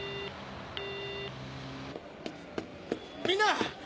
みんな！